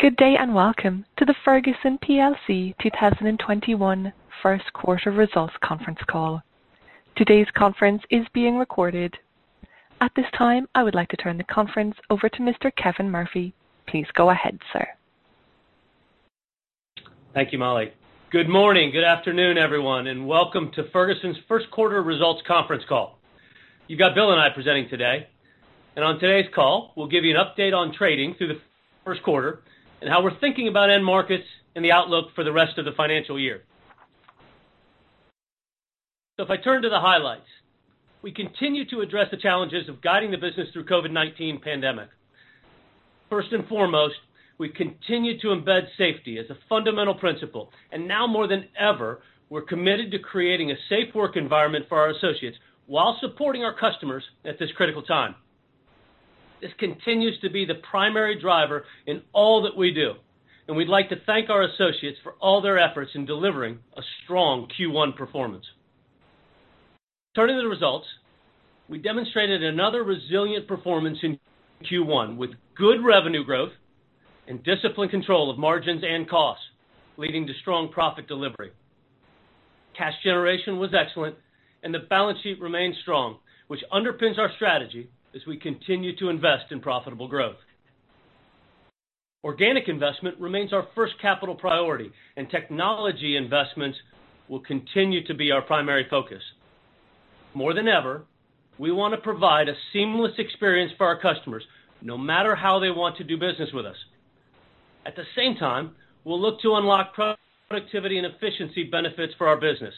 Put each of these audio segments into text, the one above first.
Good day, welcome to the Ferguson plc 2021 first quarter results conference call. Today's conference is being recorded. At this time, I would like to turn the conference over to Mr. Kevin Murphy. Please go ahead, sir. Thank you, Molly. Good morning, good afternoon, everyone, and welcome to Ferguson's first quarter results conference call. You've got Bill and I presenting today. On today's call, we'll give you an update on trading through the first quarter and how we're thinking about end markets and the outlook for the rest of the financial year. If I turn to the highlights, we continue to address the challenges of guiding the business through COVID-19 pandemic. First and foremost, we continue to embed safety as a fundamental principle, and now more than ever, we're committed to creating a safe work environment for our associates while supporting our customers at this critical time. This continues to be the primary driver in all that we do, and we'd like to thank our associates for all their efforts in delivering a strong Q1 performance. Turning to the results, we demonstrated another resilient performance in Q1 with good revenue growth and disciplined control of margins and costs, leading to strong profit delivery. Cash generation was excellent, and the balance sheet remains strong, which underpins our strategy as we continue to invest in profitable growth. Organic investment remains our first capital priority, and technology investments will continue to be our primary focus. More than ever, we want to provide a seamless experience for our customers, no matter how they want to do business with us. At the same time, we'll look to unlock productivity and efficiency benefits for our business.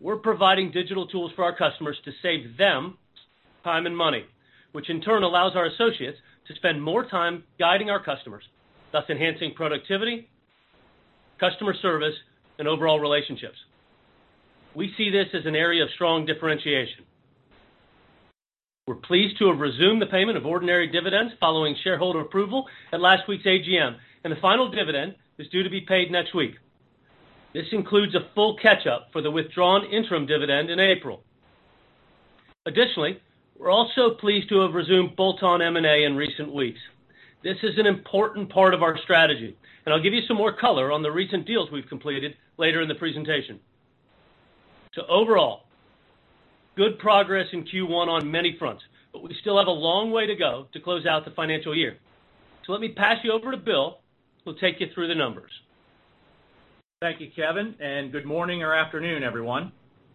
We're providing digital tools for our customers to save them time and money, which in turn allows our associates to spend more time guiding our customers, thus enhancing productivity, customer service, and overall relationships. We see this as an area of strong differentiation. We're pleased to have resumed the payment of ordinary dividends following shareholder approval at last week's AGM, and the final dividend is due to be paid next week. This includes a full catch-up for the withdrawn interim dividend in April. Additionally, we're also pleased to have resumed bolt-on M&A in recent weeks. This is an important part of our strategy, and I'll give you some more color on the recent deals we've completed later in the presentation. Overall, good progress in Q1 on many fronts, but we still have a long way to go to close out the financial year. Let me pass you over to Bill, who'll take you through the numbers. Thank you, Kevin, and good morning or afternoon, everyone.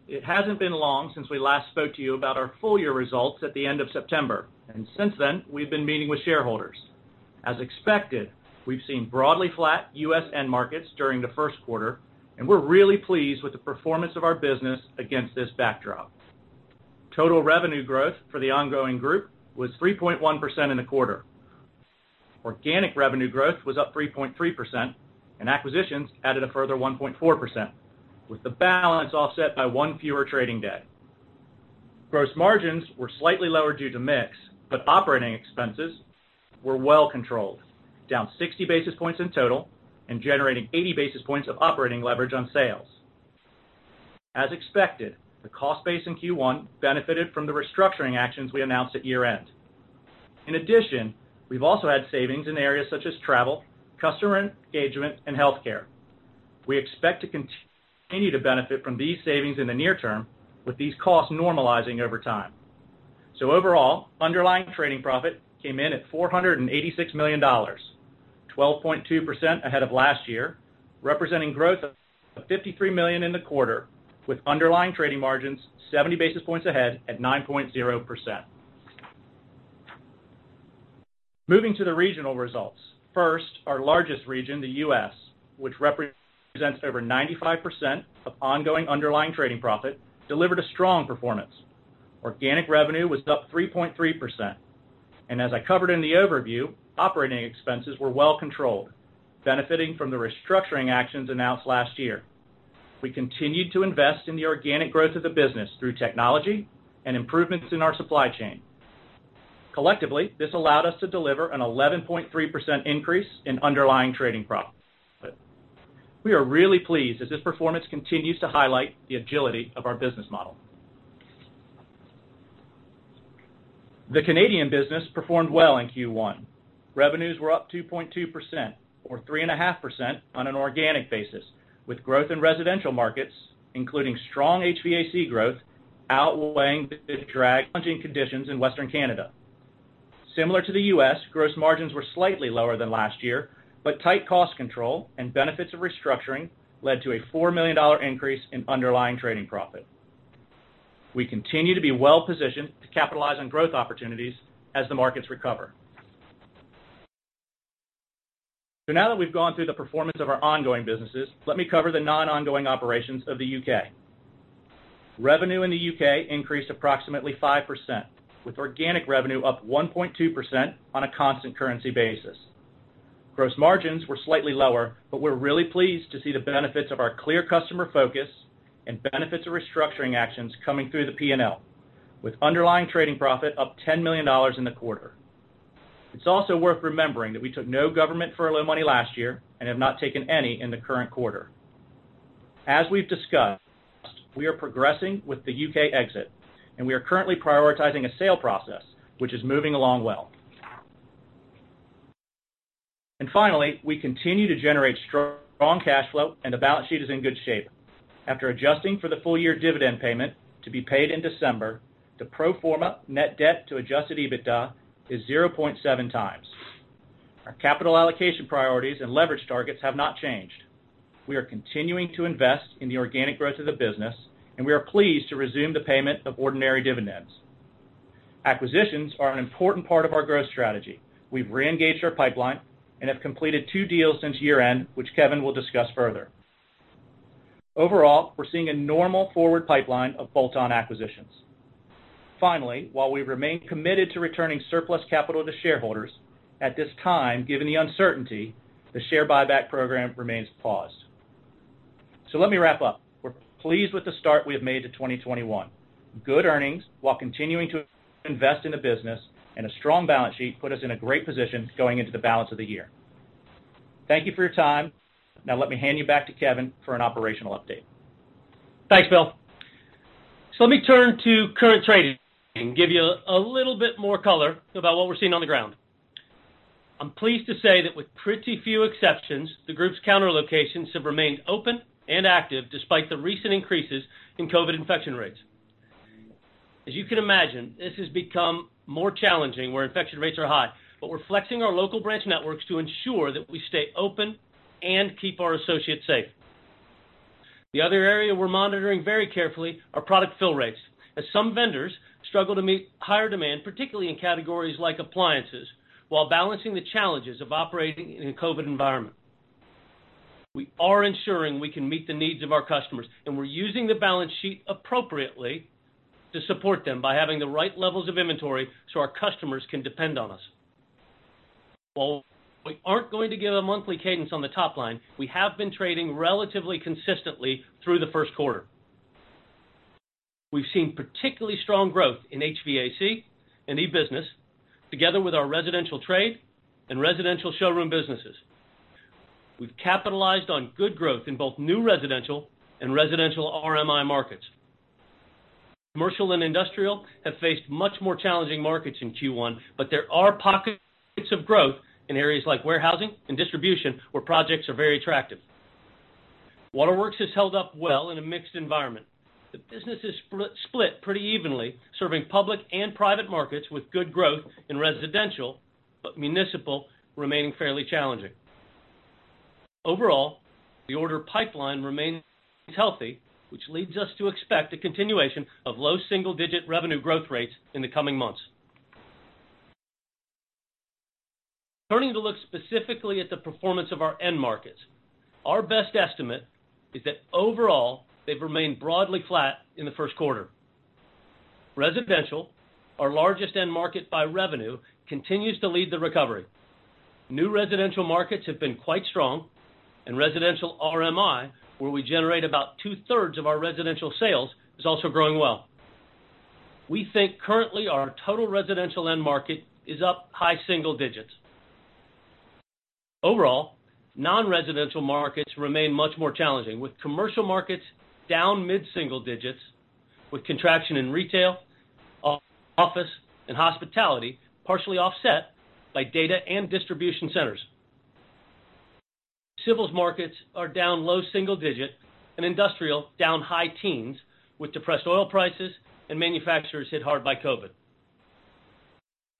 It hasn't been long since we last spoke to you about our full-year results at the end of September, and since then, we've been meeting with shareholders. As expected, we've seen broadly flat U.S. end markets during the first quarter, and we're really pleased with the performance of our business against this backdrop. Total revenue growth for the ongoing group was 3.1% in the quarter. Organic revenue growth was up 3.3%, and acquisitions added a further 1.4%, with the balance offset by one fewer trading day. Gross margins were slightly lower due to mix, but operating expenses were well controlled, down 60 basis points in total and generating 80 basis points of operating leverage on sales. As expected, the cost base in Q1 benefited from the restructuring actions we announced at year-end. In addition, we've also had savings in areas such as travel, customer engagement, and healthcare. We expect to continue to benefit from these savings in the near term, with these costs normalizing over time. Overall, underlying trading profit came in at $486 million, 12.2% ahead of last year, representing growth of $53 million in the quarter, with underlying trading margins 70 basis points ahead at 9.0%. Moving to the regional results. First, our largest region, the U.S., which represents over 95% of ongoing underlying trading profit, delivered a strong performance. Organic revenue was up 3.3%, and as I covered in the overview, operating expenses were well controlled, benefiting from the restructuring actions announced last year. We continued to invest in the organic growth of the business through technology and improvements in our supply chain. Collectively, this allowed us to deliver an 11.3% increase in underlying trading profit. We are really pleased as this performance continues to highlight the agility of our business model. The Canadian business performed well in Q1. Revenues were up 2.2%, or 3.5% on an organic basis, with growth in residential markets, including strong HVAC growth, outweighing the dragging conditions in Western Canada. Similar to the U.S., gross margins were slightly lower than last year, but tight cost control and benefits of restructuring led to a $4 million increase in underlying trading profit. We continue to be well-positioned to capitalize on growth opportunities as the markets recover. Now that we've gone through the performance of our ongoing businesses, let me cover the non-ongoing operations of the U.K. Revenue in the U.K. increased approximately 5%, with organic revenue up 1.2% on a constant currency basis. Gross margins were slightly lower, but we're really pleased to see the benefits of our clear customer focus and benefits of restructuring actions coming through the P&L, with underlying trading profit up $10 million in the quarter. It's also worth remembering that we took no government furlough money last year and have not taken any in the current quarter. As we've discussed, we are progressing with the U.K. exit, and we are currently prioritizing a sale process which is moving along well. Finally, we continue to generate strong cash flow, and the balance sheet is in good shape. After adjusting for the full-year dividend payment to be paid in December, the pro forma net debt to adjusted EBITDA is 0.7x. Our capital allocation priorities and leverage targets have not changed. We are continuing to invest in the organic growth of the business, and we are pleased to resume the payment of ordinary dividends. Acquisitions are an important part of our growth strategy. We've re-engaged our pipeline and have completed two deals since year-end, which Kevin will discuss further. We're seeing a normal forward pipeline of bolt-on acquisitions. Finally, while we remain committed to returning surplus capital to shareholders, at this time, given the uncertainty, the share buyback program remains paused. Let me wrap up. We're pleased with the start we have made to 2021. Good earnings, while continuing to invest in the business and a strong balance sheet, put us in a great position going into the balance of the year. Thank you for your time. Now let me hand you back to Kevin for an operational update. Thanks, Bill. Let me turn to current trading and give you a little bit more color about what we're seeing on the ground. I'm pleased to say that with pretty few exceptions, the group's counter locations have remained open and active despite the recent increases in COVID infection rates. As you can imagine, this has become more challenging where infection rates are high, but we're flexing our local branch networks to ensure that we stay open and keep our associates safe. The other area we're monitoring very carefully are product fill rates, as some vendors struggle to meet higher demand, particularly in categories like appliances, while balancing the challenges of operating in a COVID environment. We are ensuring we can meet the needs of our customers, and we're using the balance sheet appropriately to support them by having the right levels of inventory so our customers can depend on us. While we aren't going to give a monthly cadence on the top line, we have been trading relatively consistently through the first quarter. We've seen particularly strong growth in HVAC and e-business, together with our residential trade and residential showroom businesses. We've capitalized on good growth in both new residential and residential RMI markets. Commercial and industrial have faced much more challenging markets in Q1, but there are pockets of growth in areas like warehousing and distribution, where projects are very attractive. Waterworks has held up well in a mixed environment. The business is split pretty evenly, serving public and private markets with good growth in residential, but municipal remaining fairly challenging. Overall, the order pipeline remains healthy, which leads us to expect a continuation of low single-digit revenue growth rates in the coming months. Turning to look specifically at the performance of our end markets. Our best estimate is that overall, they've remained broadly flat in the first quarter. Residential, our largest end market by revenue, continues to lead the recovery. New residential markets have been quite strong, and residential RMI, where we generate about two-thirds of our residential sales, is also growing well. We think currently our total residential end market is up high single digits. Overall, non-residential markets remain much more challenging, with commercial markets down mid-single digits, with contraction in retail, office, and hospitality partially offset by data and distribution centers. Civils markets are down low single digit and industrial down high teens with depressed oil prices and manufacturers hit hard by COVID.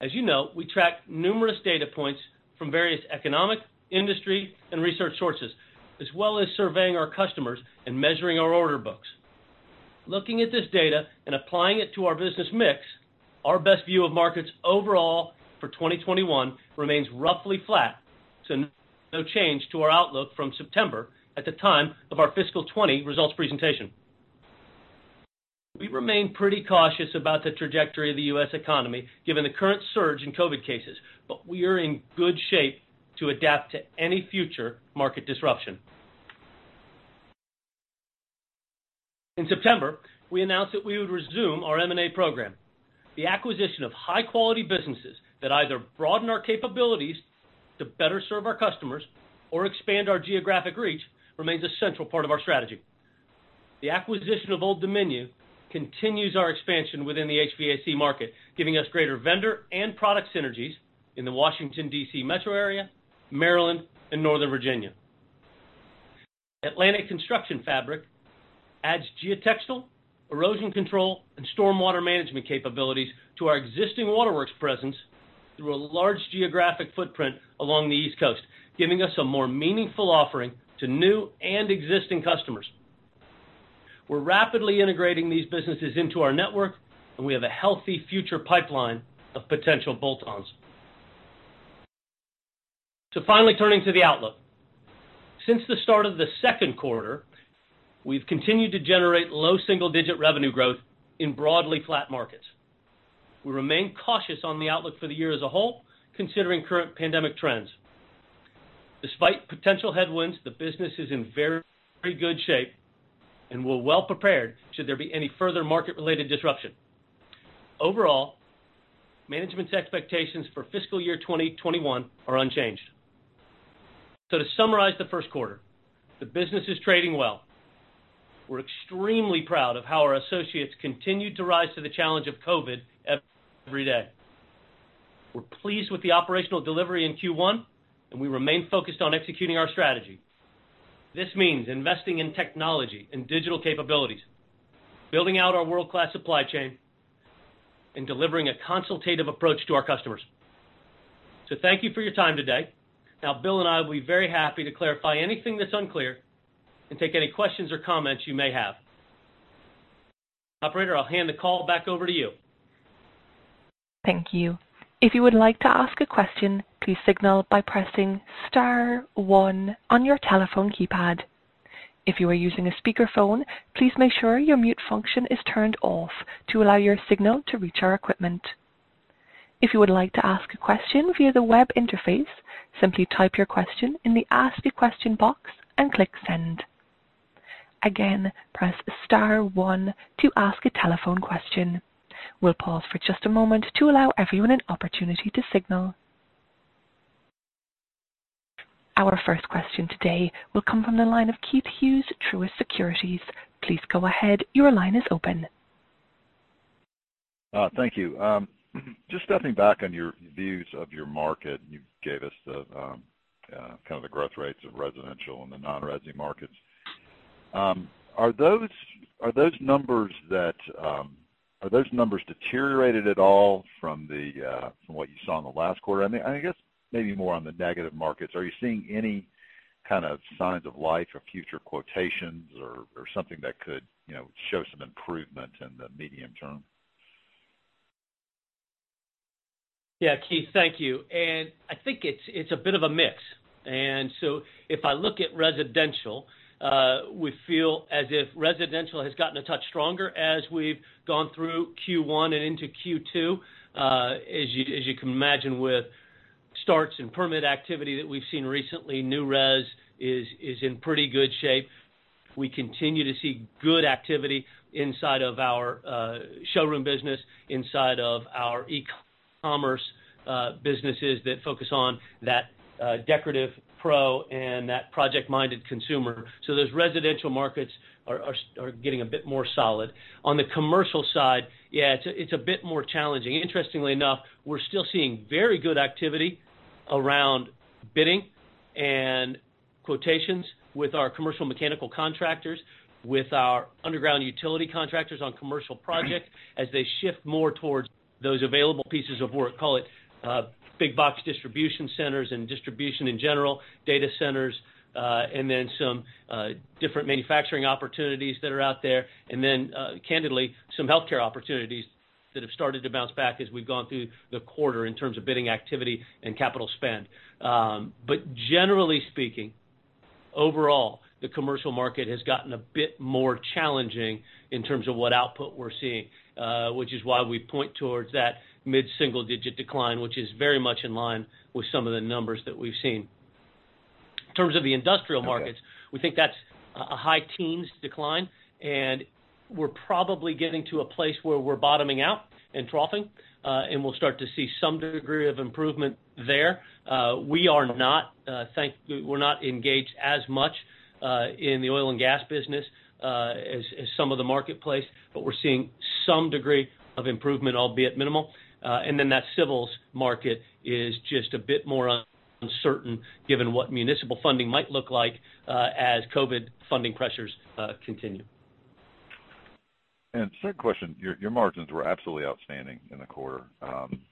As you know, we track numerous data points from various economic, industry, and research sources, as well as surveying our customers and measuring our order books. Looking at this data and applying it to our business mix, our best view of markets overall for 2021 remains roughly flat. No change to our outlook from September at the time of our fiscal 2020 results presentation. We remain pretty cautious about the trajectory of the U.S. economy, given the current surge in COVID-19 cases. We are in good shape to adapt to any future market disruption. In September, we announced that we would resume our M&A program. The acquisition of high-quality businesses that either broaden our capabilities to better serve our customers or expand our geographic reach remains a central part of our strategy. The acquisition of Old Dominion continues our expansion within the HVAC market, giving us greater vendor and product synergies in the Washington, D.C. metro area, Maryland, and northern Virginia. Atlantic Construction Fabrics adds geotextile, erosion control, and storm water management capabilities to our existing waterworks presence through a large geographic footprint along the East Coast, giving us a more meaningful offering to new and existing customers. We're rapidly integrating these businesses into our network, and we have a healthy future pipeline of potential bolt-ons. Finally, turning to the outlook. Since the start of the second quarter, we've continued to generate low single-digit revenue growth in broadly flat markets. We remain cautious on the outlook for the year as a whole, considering current pandemic trends. Despite potential headwinds, the business is in very good shape, and we're well prepared should there be any further market-related disruption. Overall, management's expectations for fiscal year 2021 are unchanged. To summarize the first quarter, the business is trading well. We're extremely proud of how our associates continued to rise to the challenge of COVID-19 every day. We're pleased with the operational delivery in Q1, and we remain focused on executing our strategy. This means investing in technology and digital capabilities, building out our world-class supply chain, and delivering a consultative approach to our customers. Thank you for your time today. Bill and I will be very happy to clarify anything that's unclear and take any questions or comments you may have. Operator, I'll hand the call back over to you. Thank you. If you would like to ask a question, please signal by pressing star one on your telephone keypad. If you are using a speakerphone, please make sure your mute function is turned off to allow your signal to reach our equipment. If you would like to ask a question via the web interface, simply type your question in the Ask a Question box and click Send. Again, press star one to ask a telephone question. We will pause for just a moment to allow everyone an opportunity to signal. Our first question today will come from the line of Keith Hughes, Truist Securities. Please go ahead. Your line is open. Thank you. Just stepping back on your views of your market, you gave us the growth rates of residential and the non-resi markets. Are those numbers deteriorated at all from what you saw in the last quarter? I guess maybe more on the negative markets. Are you seeing any kind of signs of life or future quotations or something that could show some improvement in the medium term? Yeah, Keith, thank you. I think it's a bit of a mix. If I look at residential, we feel as if residential has gotten a touch stronger as we've gone through Q1 and into Q2. As you can imagine with starts and permit activity that we've seen recently, new res is in pretty good shape. We continue to see good activity inside of our showroom business, inside of our e-commerce businesses that focus on that decorative pro and that project-minded consumer. Those residential markets are getting a bit more solid. On the commercial side, yeah, it's a bit more challenging. Interestingly enough, we're still seeing very good activity around bidding and quotations with our commercial mechanical contractors, with our underground utility contractors on commercial projects as they shift more towards those available pieces of work, call it big box distribution centers and distribution in general, data centers, then some different manufacturing opportunities that are out there. Then, candidly, some healthcare opportunities that have started to bounce back as we've gone through the quarter in terms of bidding activity and capital spend. Generally speaking, overall, the commercial market has gotten a bit more challenging in terms of what output we're seeing, which is why we point towards that mid-single digit decline, which is very much in line with some of the numbers that we've seen. In terms of the industrial markets. We think that's a high teens decline, and we're probably getting to a place where we're bottoming out and troughing, and we'll start to see some degree of improvement there. We're not engaged as much in the oil and gas business as some of the marketplace, but we're seeing some degree of improvement, albeit minimal. That civils market is just a bit more uncertain given what municipal funding might look like as COVID funding pressures continue. Second question, your margins were absolutely outstanding in the quarter,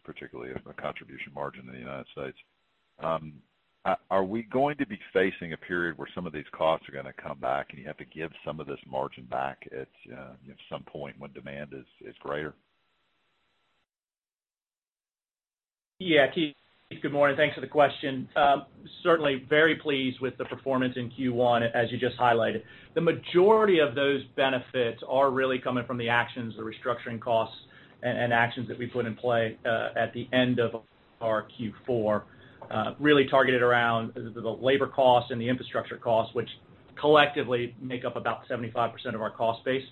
particularly the contribution margin in the U.S. Are we going to be facing a period where some of these costs are going to come back, and you have to give some of this margin back at some point when demand is greater? Yeah, Keith. Good morning. Thanks for the question. Certainly very pleased with the performance in Q1, as you just highlighted. The majority of those benefits are really coming from the actions, the restructuring costs, and actions that we put in play at the end of our Q4, really targeted around the labor costs and the infrastructure costs, which collectively make up about 75% of our cost base.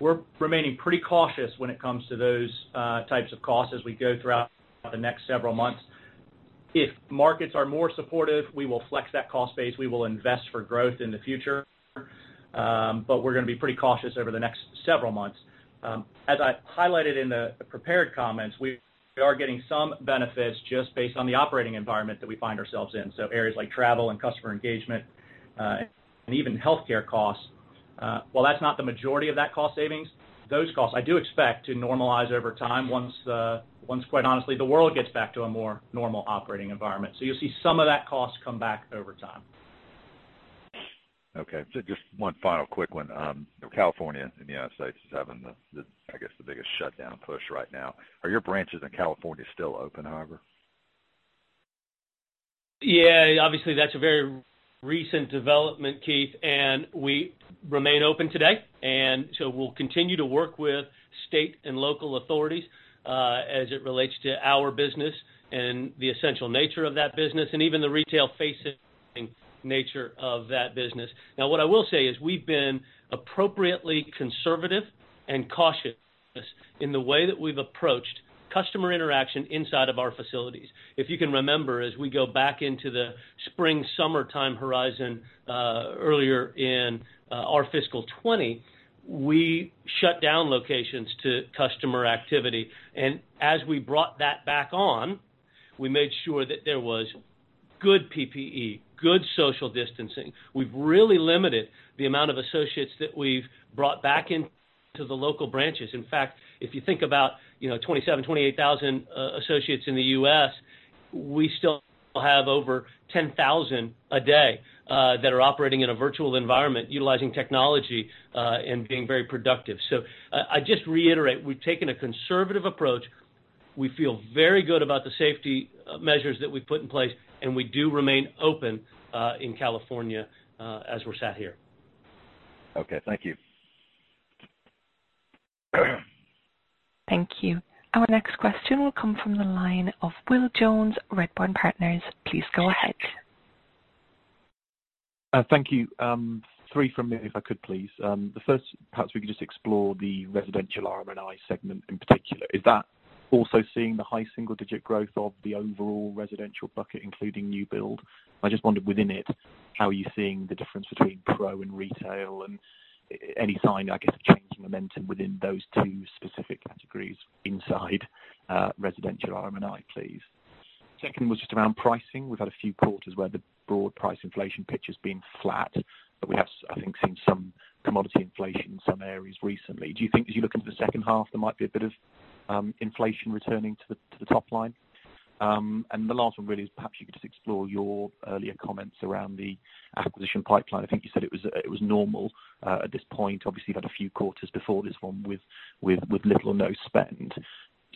We're remaining pretty cautious when it comes to those types of costs as we go throughout the next several months. If markets are more supportive, we will flex that cost base. We will invest for growth in the future, but we're going to be pretty cautious over the next several months. As I highlighted in the prepared comments, we are getting some benefits just based on the operating environment that we find ourselves in. Areas like travel and customer engagement, and even healthcare costs, while that's not the majority of that cost savings, those costs I do expect to normalize over time once, quite honestly, the world gets back to a more normal operating environment. You'll see some of that cost come back over time. Okay, just one final quick one. California and the United States is having, I guess, the biggest shutdown push right now. Are your branches in California still open, however? Yeah. Obviously, that's a very recent development, Keith. We remain open today. We'll continue to work with state and local authorities, as it relates to our business and the essential nature of that business, and even the retail facet-nature of that business. Now what I will say is we've been appropriately conservative and cautious in the way that we've approached customer interaction inside of our facilities. If you can remember, as we go back into the spring, summertime horizon earlier in our fiscal 2020, we shut down locations to customer activity. As we brought that back on, we made sure that there was good PPE, good social distancing. We've really limited the amount of associates that we've brought back into the local branches. In fact, if you think about 27,000, 28,000 associates in the U.S., we still have over 10,000 a day that are operating in a virtual environment utilizing technology and being very productive. I just reiterate, we've taken a conservative approach. We feel very good about the safety measures that we put in place, and we do remain open in California as we're sat here. Okay. Thank you. Thank you. Our next question will come from the line of Will Jones, Redburn Partners. Please go ahead. Thank you. Three from me, if I could please. The first, perhaps we could just explore the residential RMI segment in particular. Is that also seeing the high single-digit growth of the overall residential bucket, including new build? I just wondered within it, how are you seeing the difference between pro and retail and any sign, I guess, of changing momentum within those two specific categories inside residential RMI, please? Second was just around pricing. We've had a few quarters where the broad price inflation picture's been flat, but we have, I think, seen some commodity inflation in some areas recently. Do you think as you look into the second half, there might be a bit of inflation returning to the top line? The last one really is perhaps you could just explore your earlier comments around the acquisition pipeline. I think you said it was normal at this point. Obviously, you've had a few quarters before this one with little or no spend.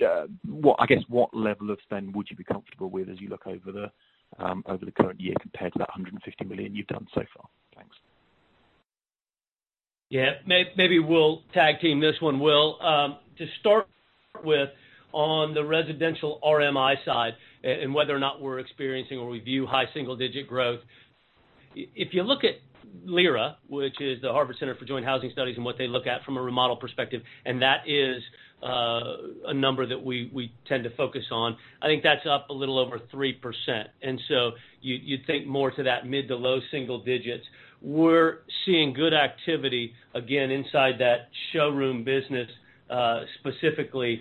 I guess, what level of spend would you be comfortable with as you look over the current year compared to that $150 million you've done so far? Thanks. Yeah. Maybe we'll tag team this one, Will. To start with on the residential RMI side and whether or not we're experiencing or we view high single-digit growth, if you look at LIRA, which is the Joint Center for Housing Studies of Harvard University and what they look at from a remodel perspective, that is a number that we tend to focus on. I think that's up a little over 3%. So you'd think more to that mid to low single digits. We're seeing good activity, again, inside that showroom business, specifically.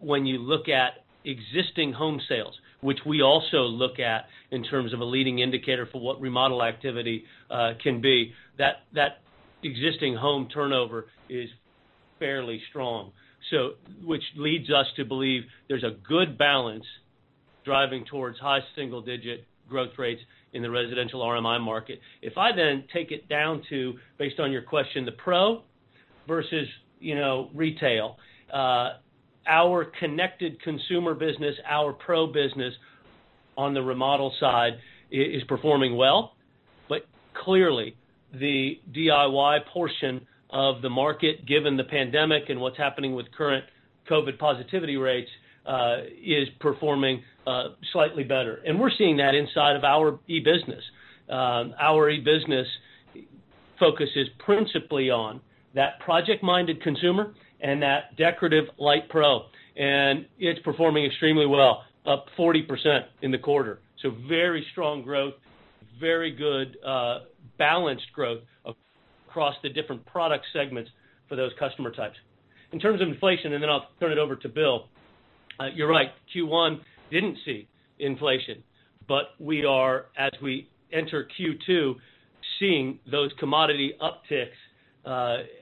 When you look at existing home sales, which we also look at in terms of a leading indicator for what remodel activity can be, that existing home turnover is fairly strong. Which leads us to believe there's a good balance driving towards high single-digit growth rates in the residential RMI market. If I take it down to, based on your question, the pro versus retail, our connected consumer business, our pro business on the remodel side, is performing well. Clearly the DIY portion of the market, given the pandemic and what's happening with current COVID-19 positivity rates, is performing slightly better. We're seeing that inside of our e-business. Our e-business focus is principally on that project-minded consumer and that decorative light pro, and it's performing extremely well, up 40% in the quarter. Very strong growth, very good balanced growth across the different product segments for those customer types. In terms of inflation, I'll turn it over to Bill. You're right, Q1 didn't see inflation, we are, as we enter Q2, seeing those commodity upticks,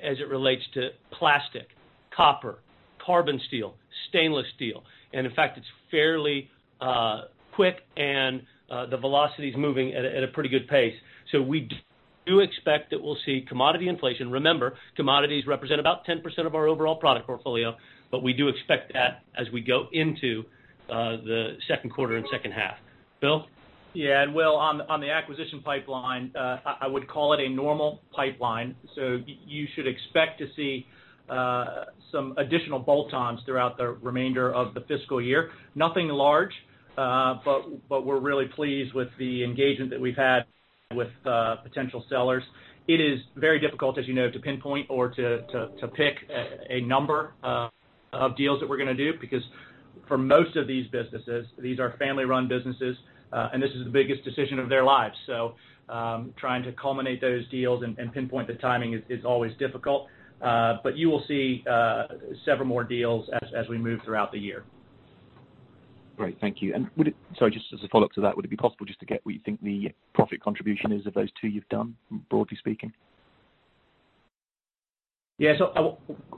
as it relates to plastic, copper, carbon steel, stainless steel. In fact, it's fairly quick and the velocity is moving at a pretty good pace. We do expect that we'll see commodity inflation. Remember, commodities represent about 10% of our overall product portfolio. We do expect that as we go into the second quarter and second half. Bill? Yeah. Will, on the acquisition pipeline, I would call it a normal pipeline. You should expect to see some additional bolt-ons throughout the remainder of the fiscal year. Nothing large, but we're really pleased with the engagement that we've had with potential sellers. It is very difficult, as you know, to pinpoint or to pick a number of deals that we're going to do, because for most of these businesses, these are family-run businesses, and this is the biggest decision of their lives. Trying to culminate those deals and pinpoint the timing is always difficult. You will see several more deals as we move throughout the year. Great. Thank you. Sorry, just as a follow-up to that, would it be possible just to get what you think the profit contribution is of those two you've done, broadly speaking? Yeah. I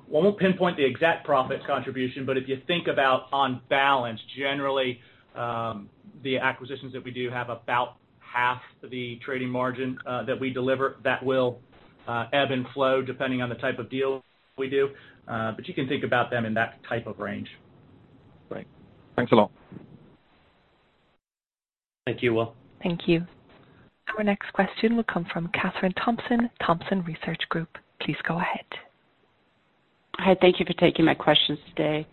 won't pinpoint the exact profits contribution, but if you think about on balance, generally the acquisitions that we do have about half the trading margin that we deliver, that will ebb and flow depending on the type of deals we do. You can think about them in that type of range. Great. Thanks a lot. Thank you, Will. Thank you. Our next question will come from Kathryn Thompson, Research Group. Please go ahead. Hi, thank you for taking my questions today.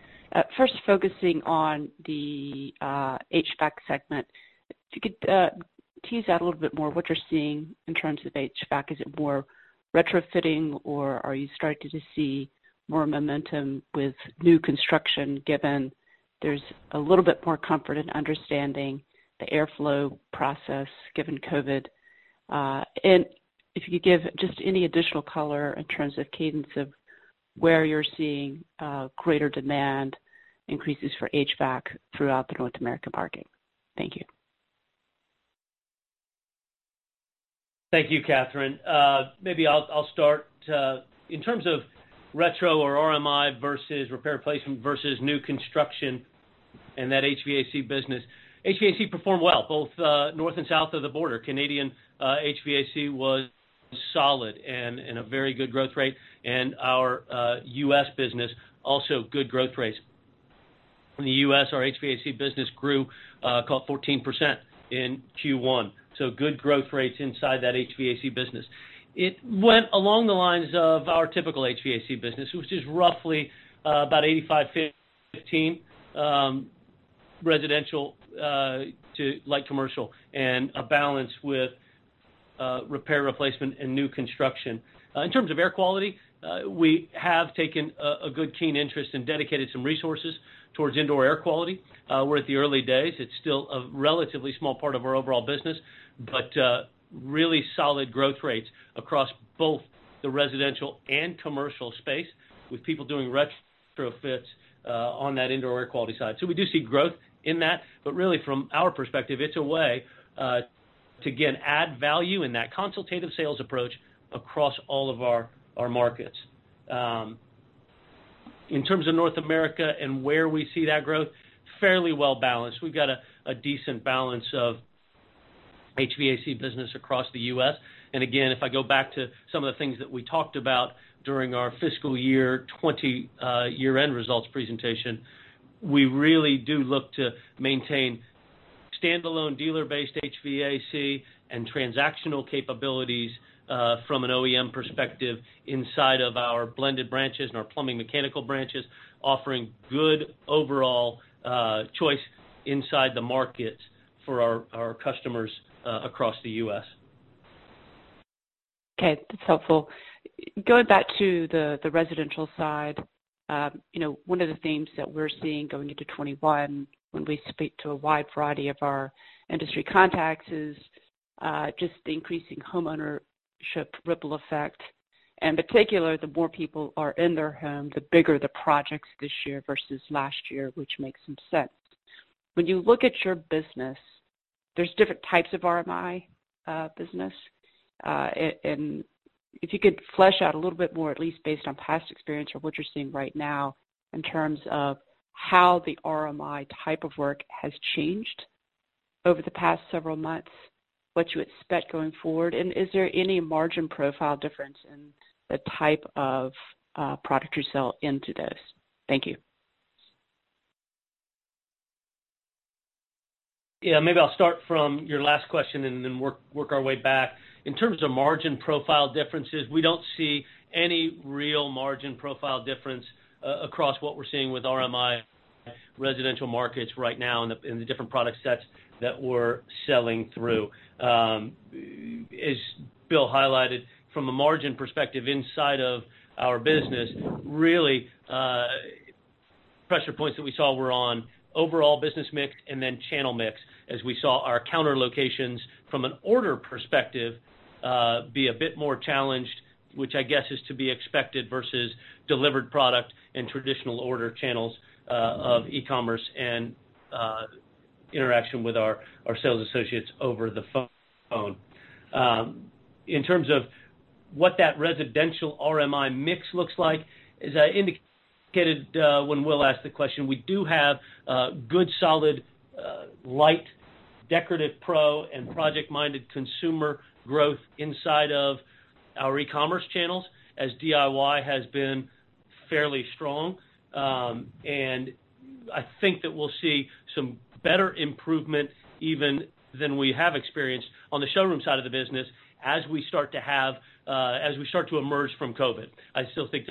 First, focusing on the HVAC segment. If you could tease out a little bit more what you're seeing in terms of HVAC. Is it more retrofitting, or are you starting to see more momentum with new construction, given there's a little bit more comfort in understanding the airflow process, given COVID? If you could give just any additional color in terms of cadence of where you're seeing greater demand increases for HVAC throughout the North American market. Thank you. Thank you, Kathryn. Maybe I'll start. In terms of retro or RMI versus repair and replacement versus new construction in that HVAC business, HVAC performed well both north and south of the border. Canadian HVAC was solid and in a very good growth rate. Our U.S. business, also good growth rates. In the U.S., our HVAC business grew about 14% in Q1. Good growth rates inside that HVAC business. It went along the lines of our typical HVAC business, which is roughly about 85/15, residential to light commercial, and a balance with repair, replacement, and new construction. In terms of air quality, we have taken a good, keen interest and dedicated some resources towards indoor air quality. We're at the early days. It's still a relatively small part of our overall business, but really solid growth rates across both the residential and commercial space with people doing retrofits on that indoor air quality side. We do see growth in that, but really from our perspective, it's a way to, again, add value in that consultative sales approach across all of our markets. In terms of North America and where we see that growth, fairly well-balanced. We've got a decent balance of HVAC business across the U.S. Again, if I go back to some of the things that we talked about during our fiscal year 2020 year-end results presentation, we really do look to maintain standalone dealer-based HVAC and transactional capabilities from an OEM perspective inside of our blended branches and our plumbing mechanical branches, offering good overall choice inside the market for our customers across the U.S. Okay. That's helpful. Going back to the residential side, one of the themes that we're seeing going into 2021 when we speak to a wide variety of our industry contacts is just the increasing homeownership ripple effect. In particular, the more people are in their home, the bigger the projects this year versus last year, which makes some sense. When you look at your business, there's different types of RMI business. If you could flesh out a little bit more, at least based on past experience or what you're seeing right now, in terms of how the RMI type of work has changed over the past several months, what you expect going forward, and is there any margin profile difference in the type of product you sell into those? Thank you. Yeah. Maybe I'll start from your last question and then work our way back. In terms of margin profile differences, we don't see any real margin profile difference across what we're seeing with RMI residential markets right now in the different product sets that we're selling through. As Bill highlighted, from a margin perspective inside of our business, really, pressure points that we saw were on overall business mix and then channel mix, as we saw our counter locations, from an order perspective, be a bit more challenged, which I guess is to be expected, versus delivered product and traditional order channels of e-commerce and interaction with our sales associates over the phone. In terms of what that residential RMI mix looks like, as I indicated when Will asked the question, we do have good, solid light decorative pro and project-minded consumer growth inside of our e-commerce channels, as DIY has been fairly strong. I think that we'll see some better improvement even than we have experienced on the showroom side of the business as we start to emerge from COVID. I still think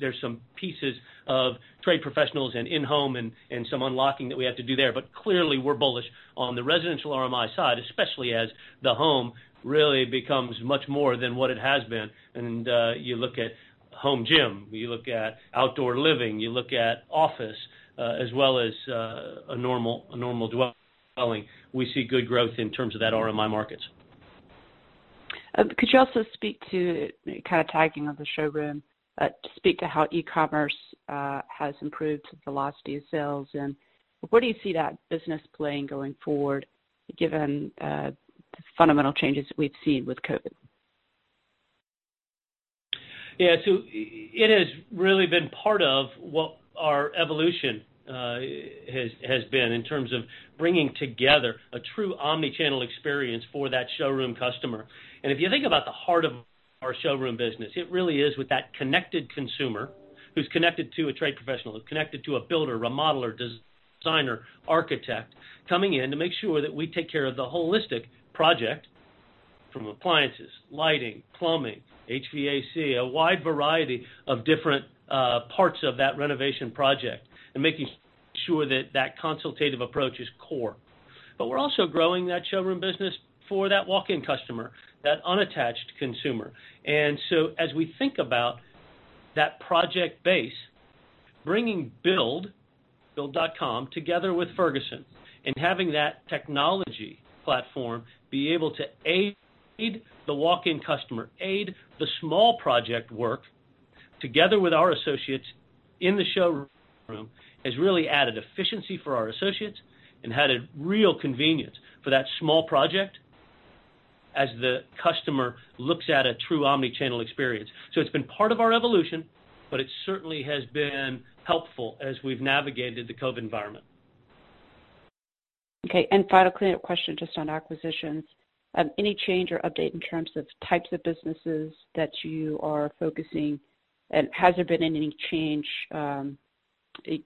there's some pieces of trade professionals and in-home and some unlocking that we have to do there. Clearly, we're bullish on the residential RMI side, especially as the home really becomes much more than what it has been. You look at home gym, you look at outdoor living, you look at office, as well as a normal dwelling. We see good growth in terms of that RMI markets. Could you also speak to, kind of tagging off the showroom, speak to how e-commerce has improved velocity of sales and where do you see that business playing going forward, given the fundamental changes we've seen with COVID-19? It has really been part of what our evolution has been in terms of bringing together a true omni-channel experience for that showroom customer. If you think about the heart of our showroom business, it really is with that connected consumer who's connected to a trade professional, who's connected to a builder, remodeler, designer, architect, coming in to make sure that we take care of the holistic project. From appliances, lighting, plumbing, HVAC, a wide variety of different parts of that renovation project, and making sure that that consultative approach is core. We're also growing that showroom business for that walk-in customer, that unattached consumer. As we think about that project base, bringing Build.com together with Ferguson and having that technology platform be able to aid the walk-in customer, aid the small project work together with our associates in the showroom, has really added efficiency for our associates and added real convenience for that small project as the customer looks at a true omni-channel experience. It's been part of our evolution, but it certainly has been helpful as we've navigated the COVID-19 environment. Okay, final cleanup question just on acquisitions. Any change or update in terms of types of businesses that you are focusing, and has there been any change,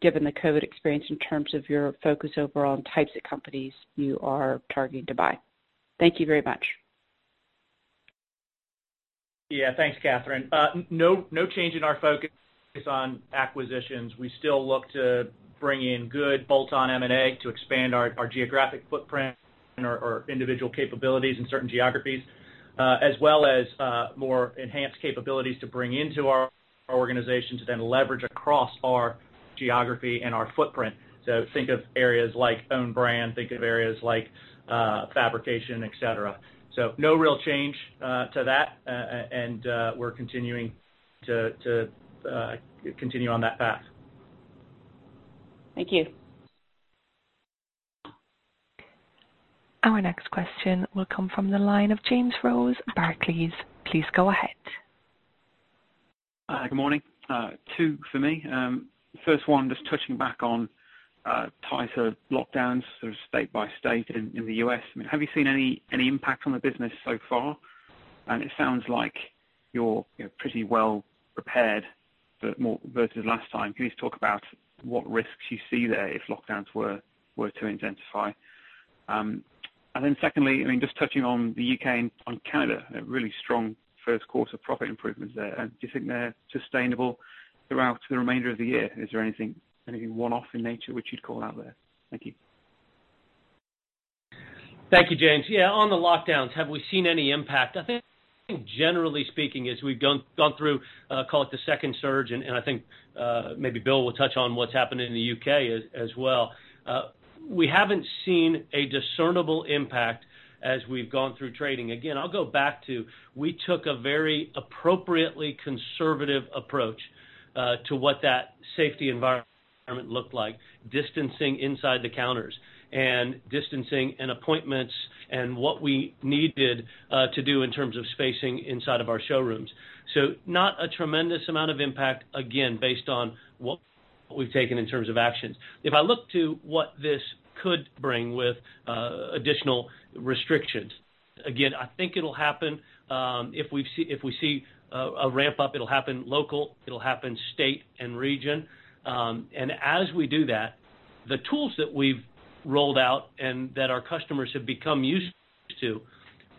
given the COVID experience, in terms of your focus overall on types of companies you are targeting to buy? Thank you very much. Thanks, Kathryn. No change in our focus on acquisitions. We still look to bring in good bolt-on M&A to expand our geographic footprint and our individual capabilities in certain geographies, as well as more enhanced capabilities to bring into our organization to then leverage across our geography and our footprint. Think of areas like own brand, think of areas like fabrication, et cetera. No real change to that, and we're continuing to continue on that path. Thank you. Our next question will come from the line of James Rose, Barclays. Please go ahead. Good morning. Two for me. First one, just touching back on tighter lockdowns, sort of state by state in the U.S. Have you seen any impact on the business so far? It sounds like you're pretty well prepared versus last time. Can you just talk about what risks you see there if lockdowns were to intensify? Secondly, just touching on the U.K. and on Canada, really strong first quarter profit improvements there. Do you think they're sustainable throughout the remainder of the year? Is there anything one-off in nature which you'd call out there? Thank you. Thank you, James. Yeah. On the lockdowns, have we seen any impact? I think generally speaking, as we've gone through, call it the second surge, and I think maybe Bill will touch on what's happening in the U.K. as well. We haven't seen a discernible impact as we've gone through trading. Again, I'll go back to, we took a very appropriately conservative approach to what that safety environment looked like, distancing inside the counters and distancing and appointments and what we needed to do in terms of spacing inside of our showrooms. Not a tremendous amount of impact, again, based on what we've taken in terms of actions. If I look to what this could bring with additional restrictions, again, I think it'll happen, if we see a ramp up, it'll happen local, it'll happen state and region. As we do that, the tools that we've rolled out and that our customers have become used to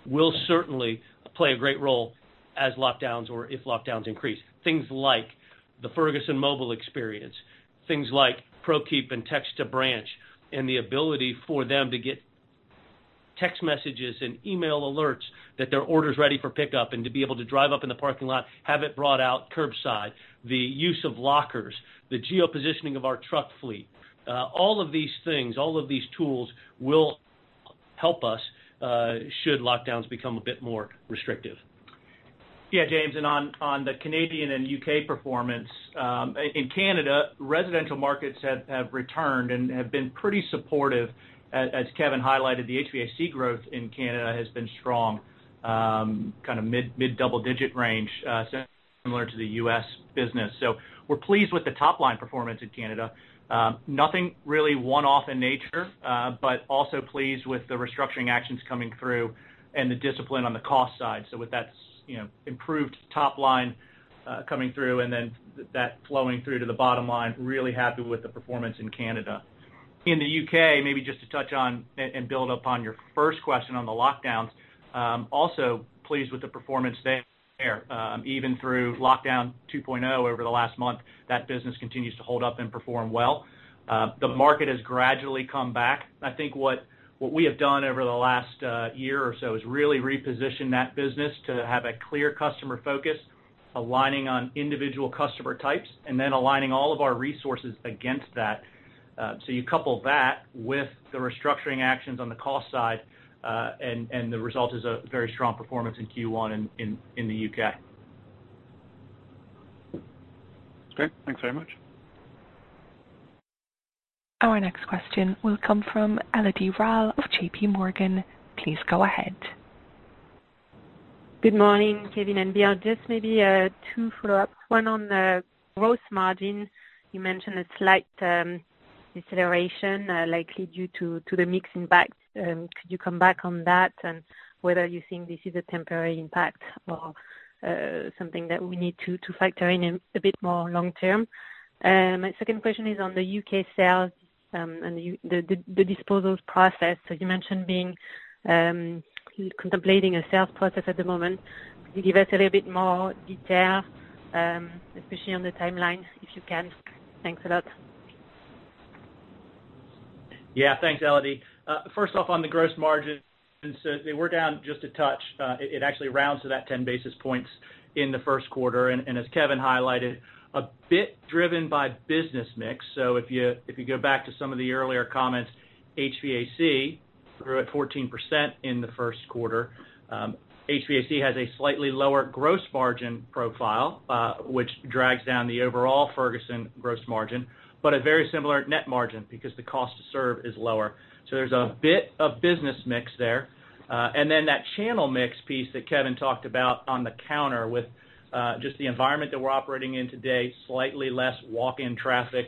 will certainly play a great role as lockdowns or if lockdowns increase. Things like the Ferguson mobile experience, things like Prokeep and Text to Branch, and the ability for them to get text messages and email alerts that their order is ready for pickup, and to be able to drive up in the parking lot, have it brought out curbside, the use of lockers, the geo-positioning of our truck fleet. All of these things, all of these tools will help us should lockdowns become a bit more restrictive. James, on the Canadian and U.K. performance. In Canada, residential markets have returned and have been pretty supportive. As Kevin highlighted, the HVAC growth in Canada has been strong, kind of mid double-digit range, similar to the U.S. business. We're pleased with the top-line performance in Canada. Nothing really one-off in nature, but also pleased with the restructuring actions coming through and the discipline on the cost side. With that improved top line coming through and then that flowing through to the bottom line, really happy with the performance in Canada. In the U.K., maybe just to touch on and build upon your first question on the lockdowns, also pleased with the performance there. Even through lockdown 2.0 over the last month, that business continues to hold up and perform well. The market has gradually come back. I think what we have done over the last year or so is really reposition that business to have a clear customer focus, aligning on individual customer types and then aligning all of our resources against that. You couple that with the restructuring actions on the cost side, and the result is a very strong performance in Q1 in the U.K. Great. Thanks very much. Our next question will come from Elodie Rall of JPMorgan. Please go ahead. Good morning, Kevin and Bill. Just maybe two follow-ups. One on the gross margin. You mentioned a slight deceleration likely due to the mix impact. Could you come back on that and whether you think this is a temporary impact or something that we need to factor in a bit more long term? My second question is on the U.K. sales and the disposals process that you mentioned being contemplating a sales process at the moment. Could you give us a little bit more detail, especially on the timeline, if you can? Thanks a lot. Yeah, thanks, Elodie. First off, on the gross margin, they were down just a touch. It actually rounds to that 10 basis points in the first quarter, and as Kevin highlighted, a bit driven by business mix. If you go back to some of the earlier comments, HVAC grew at 14% in the first quarter. HVAC has a slightly lower gross margin profile, which drags down the overall Ferguson gross margin, but a very similar net margin because the cost to serve is lower. There's a bit of business mix there. That channel mix piece that Kevin talked about on the counter with just the environment that we're operating in today, slightly less walk-in traffic.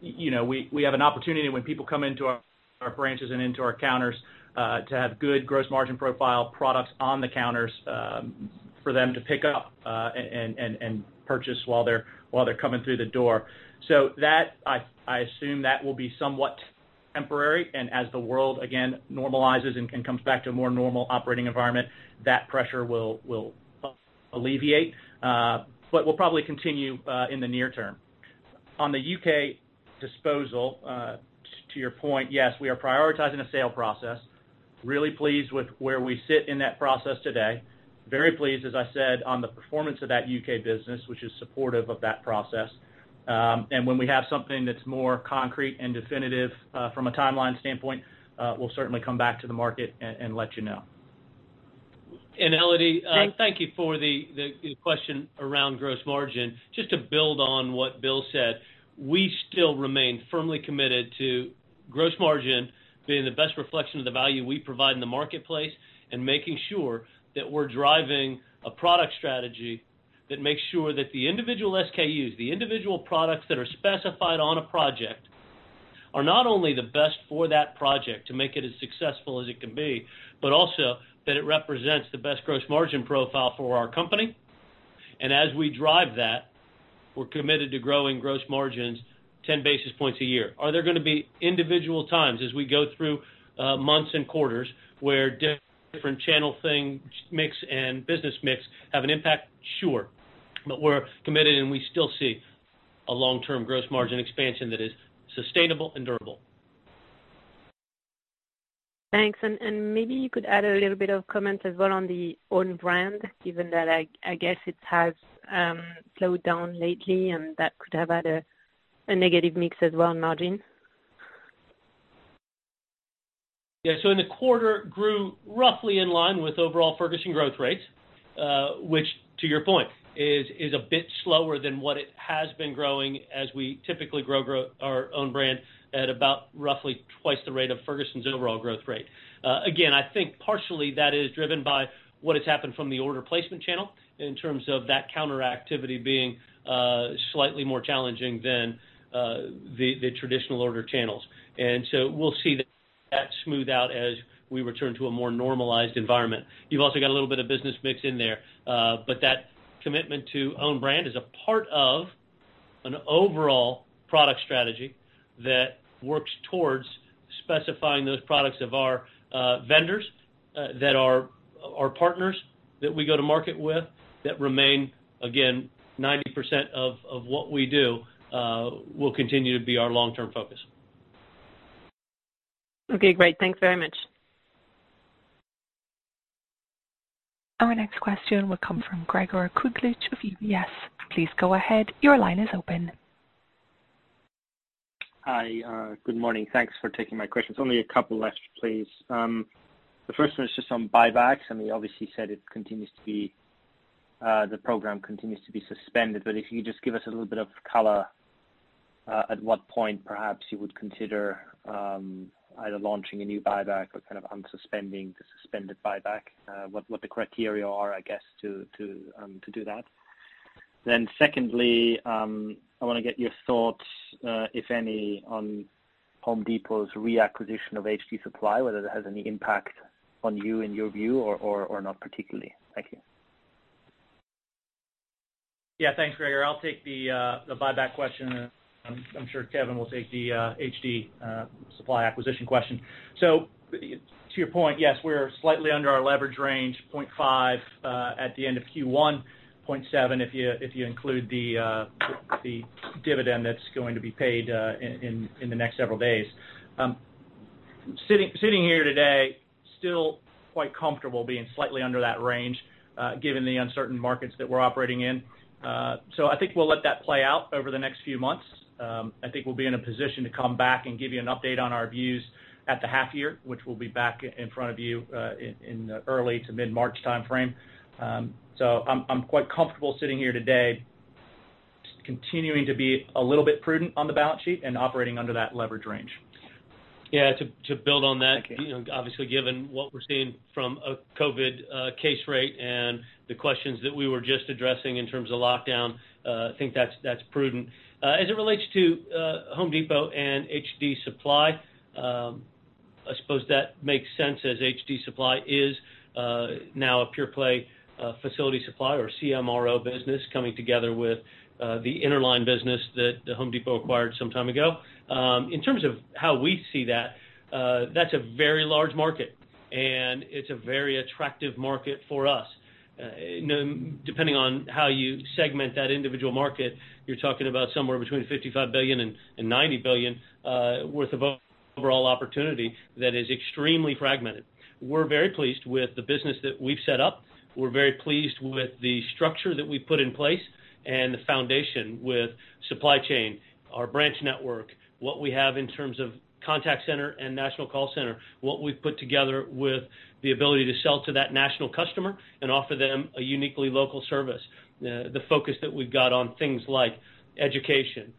We have an opportunity when people come into our branches and into our counters to have good gross margin profile products on the counters for them to pick up and purchase while they're coming through the door. That, I assume that will be somewhat temporary, and as the world, again, normalizes and comes back to a more normal operating environment, that pressure will alleviate, but will probably continue in the near term. On the U.K. disposal, to your point, yes, we are prioritizing a sale process. Really pleased with where we sit in that process today. Very pleased, as I said, on the performance of that U.K. business, which is supportive of that process. When we have something that's more concrete and definitive from a timeline standpoint, we'll certainly come back to the market and let you know. Elodie, thank you for the question around gross margin. Just to build on what Bill said, we still remain firmly committed to gross margin being the best reflection of the value we provide in the marketplace, and making sure that we're driving a product strategy that makes sure that the individual SKUs, the individual products that are specified on a project, are not only the best for that project to make it as successful as it can be, but also that it represents the best gross margin profile for our company. As we drive that, we're committed to growing gross margins 10 basis points a year. Are there going to be individual times as we go through months and quarters where different channel mix and business mix have an impact? Sure. We're committed, and we still see a long-term gross margin expansion that is sustainable and durable. Thanks. Maybe you could add a little bit of comment as well on the own brand, given that, I guess it has slowed down lately, and that could have had a negative mix as well on margin. In the quarter, grew roughly in line with overall Ferguson growth rates, which to your point, is a bit slower than what it has been growing as we typically grow our own brand at about roughly twice the rate of Ferguson's overall growth rate. Again, I think partially that is driven by what has happened from the order placement channel in terms of that counter-activity being slightly more challenging than the traditional order channels. We'll see that smooth out as we return to a more normalized environment. You've also got a little bit of business mix in there. That commitment to own brand is a part of an overall product strategy that works towards specifying those products of our vendors that are our partners that we go to market with that remain, again, 90% of what we do will continue to be our long-term focus. Okay, great. Thanks very much. Our next question will come from Gregor Kuglitsch of UBS. Please go ahead. Your line is open. Hi. Good morning. Thanks for taking my questions. Only a couple left, please. The first one is just on buybacks. We obviously said the program continues to be suspended, if you could just give us a little bit of color, at what point, perhaps, you would consider either launching a new buyback or kind of unsuspending the suspended buyback, what the criteria are, I guess, to do that. Secondly, I want to get your thoughts, if any, on The Home Depot's reacquisition of HD Supply, whether that has any impact on you in your view or not particularly. Thank you. Yeah. Thanks, Gregor. I'll take the buyback question and I'm sure Kevin will take the HD Supply acquisition question. To your point, yes, we're slightly under our leverage range, 0.5 at the end of Q1, 0.7 if you include the dividend that's going to be paid in the next several days. Sitting here today, still quite comfortable being slightly under that range, given the uncertain markets that we're operating in. I think we'll let that play out over the next few months. I think we'll be in a position to come back and give you an update on our views at the half year, which will be back in front of you in the early to mid-March timeframe. I'm quite comfortable sitting here today, continuing to be a little bit prudent on the balance sheet and operating under that leverage range. Yeah, to build on that. Thank you. Given what we're seeing from a COVID-19 case rate and the questions that we were just addressing in terms of lockdown, I think that's prudent. As it relates to The Home Depot and HD Supply, I suppose that makes sense as HD Supply is now a pure play facility supply or MRO business coming together with the Interline Brands business that The Home Depot acquired some time ago. In terms of how we see that's a very large market, and it's a very attractive market for us. Depending on how you segment that individual market, you're talking about somewhere between $55 billion and $90 billion worth of overall opportunity that is extremely fragmented. We're very pleased with the business that we've set up. We're very pleased with the structure that we've put in place and the foundation with supply chain, our branch network, what we have in terms of contact center and national call center, what we've put together with the ability to sell to that national customer and offer them a uniquely local service. The focus that we've got on things like education,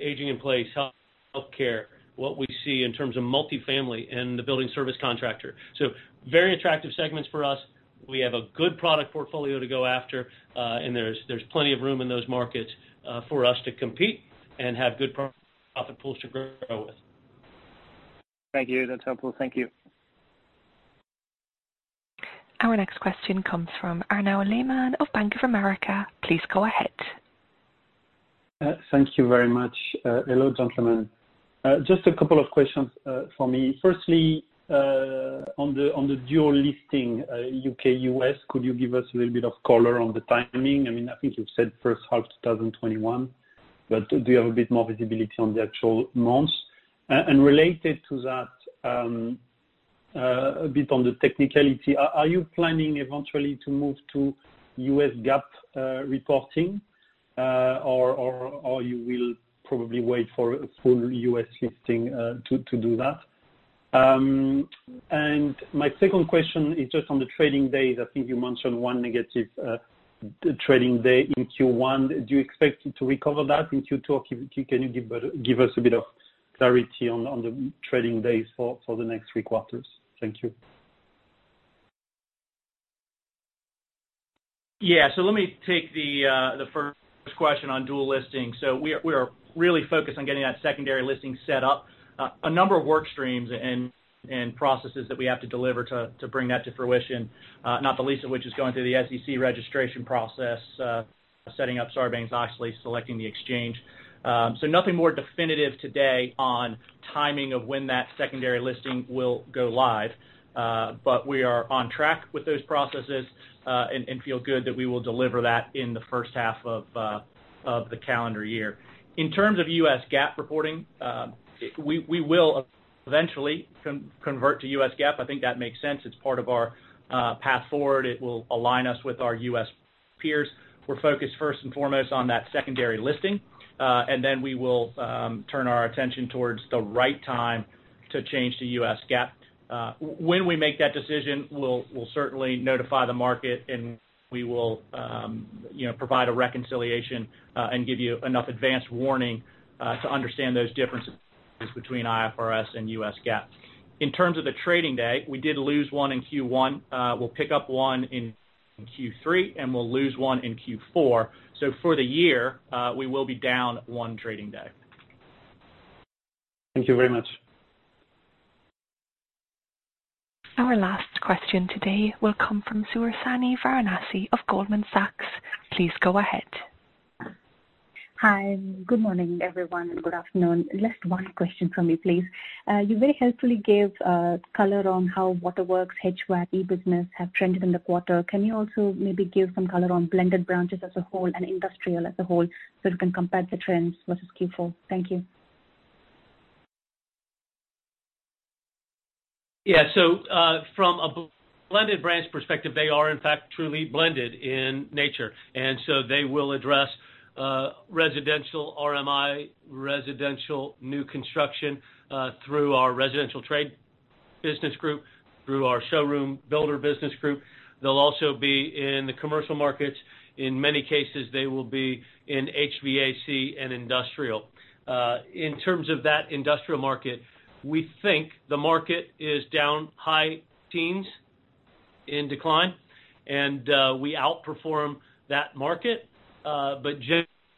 aging in place, healthcare, what we see in terms of multifamily and the building service contractor. Very attractive segments for us. We have a good product portfolio to go after. There's plenty of room in those markets, for us to compete and have good profit pools to grow with. Thank you. That's helpful. Thank you. Our next question comes from Arnaud Lehmann of Bank of America. Please go ahead. Thank you very much. Hello, gentlemen. Just a couple of questions for me. Firstly, on the dual listing U.K., U.S., could you give us a little bit of color on the timing? I think you've said first half 2021, do you have a bit more visibility on the actual months? Related to that, a bit on the technicality, are you planning eventually to move to US GAAP reporting or you will probably wait for a full U.S. listing to do that? My second question is just on the trading days. I think you mentioned one negative trading day in Q1. Do you expect to recover that in Q2? Can you give us a bit of clarity on the trading days for the next three quarters? Thank you. Let me take the first question on dual listing. We are really focused on getting that secondary listing set up. A number of work streams and processes that we have to deliver to bring that to fruition, not the least of which is going through the SEC registration process, setting up Sarbanes-Oxley, selecting the exchange. Nothing more definitive today on timing of when that secondary listing will go live. We are on track with those processes, and feel good that we will deliver that in the first half of the calendar year. In terms of US GAAP reporting, we will eventually convert to US GAAP. I think that makes sense. It's part of our path forward. It will align us with our U.S. peers. We're focused first and foremost on that secondary listing, and then we will turn our attention towards the right time to change to US GAAP. When we make that decision, we'll certainly notify the market, and we will provide a reconciliation, and give you enough advance warning to understand those differences between IFRS and US GAAP. In terms of the trading day, we did lose one in Q1. We'll pick up one in Q3, and we'll lose one in Q4. For the year, we will be down one trading day. Thank you very much. Our last question today will come from Suhasini Varanasi of Goldman Sachs. Please go ahead. Hi, good morning, everyone, and good afternoon. Just one question from me, please. You very helpfully gave color on how Waterworks, HVAC business have trended in the quarter. Can you also maybe give some color on blended branches as a whole and industrial as a whole so we can compare the trends versus Q4? Thank you. Yeah. From a blended branch perspective, they are in fact truly blended in nature, and they will address residential RMI, residential new construction, through our residential trade business group, through our showroom builder business group. They'll also be in the commercial markets. In many cases, they will be in HVAC and industrial. In terms of that industrial market, we think the market is down high teens in decline, and we outperform that market.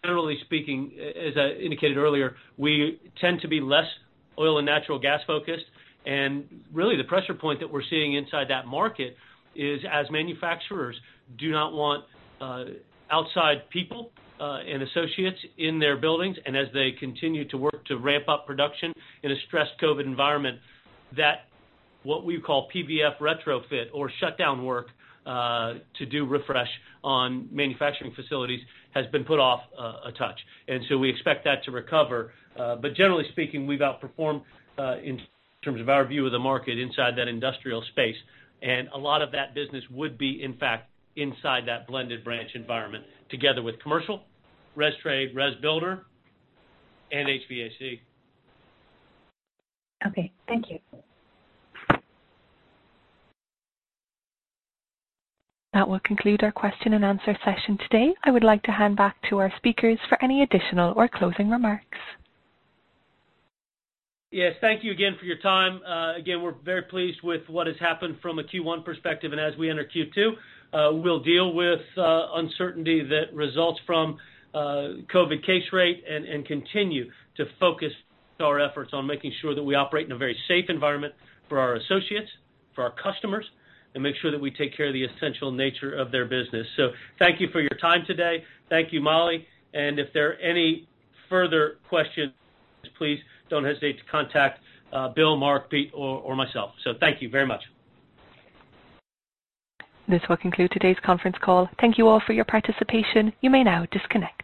Generally speaking, as I indicated earlier, we tend to be less oil and natural gas focused. Really the pressure point that we're seeing inside that market is as manufacturers do not want outside people and associates in their buildings, as they continue to work to ramp up production in a stressed COVID-19 environment, that what we call PVF retrofit or shutdown work, to do refresh on manufacturing facilities, has been put off a touch. We expect that to recover. Generally speaking, we've outperformed, in terms of our view of the market inside that industrial space. A lot of that business would be, in fact, inside that blended branch environment together with commercial, res trade, res builder, and HVAC. Okay. Thank you. That will conclude our question and answer session today. I would like to hand back to our speakers for any additional or closing remarks. Yes. Thank you again for your time. Again, we're very pleased with what has happened from a Q1 perspective. As we enter Q2, we'll deal with uncertainty that results from COVID case rate and continue to focus our efforts on making sure that we operate in a very safe environment for our associates, for our customers, and make sure that we take care of the essential nature of their business. Thank you for your time today. Thank you, Molly. If there are any further questions, please don't hesitate to contact Bill, Mark, Pete, or myself. Thank you very much. This will conclude today's conference call. Thank you all for your participation. You may now disconnect.